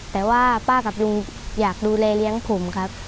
แต่ว่าป้ากับลุงอยากดูแลเลี้ยงผมครับ